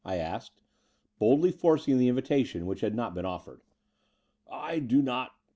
I asked, boldly forcing the invitation which had not been oflEered. "I do not